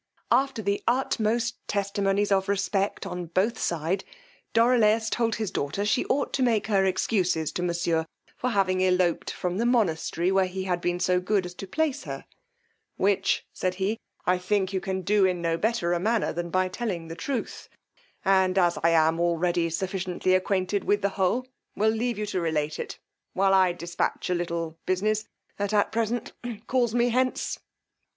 After the utmost testimonies of respect on both side, Dorilaus told his daughter she ought to make her excuses to monsieur for having eloped from the monastry where he had been so good to place her, which, said he, I think you can do in no better a manner than by telling the truth, and as I am already sufficiently acquainted with the whole, will leave you to relate it, while I dispatch a little business that at present calls me hence.